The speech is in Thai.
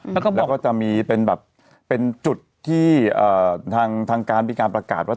แล้วก็จะมีเป็นแบบเป็นจุดที่ทางการมีการประกาศว่า